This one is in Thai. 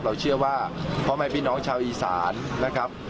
เราเชื่อว่าพ่อแม่พี่น้องชาวอีสานนะครับ